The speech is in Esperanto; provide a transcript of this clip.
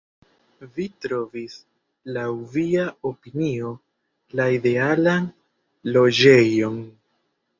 Vi trovis, laŭ via opinio, la idealan loĝejon.